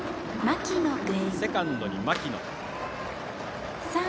セカンドに牧野。